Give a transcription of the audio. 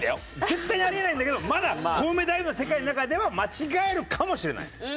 絶対にあり得ないんだけどまだコウメ太夫の世界の中では間違えるかもしれない。